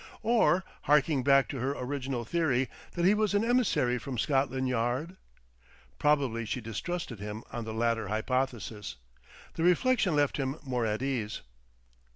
Or harking back to her original theory that he was an emissary from Scotland Yard? ... Probably she distrusted him on the latter hypothesis. The reflection left him more at ease.